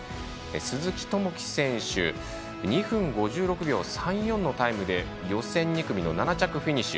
鈴木朋樹選手２分５６秒３４のタイムで予選２組の７着フィニッシュ。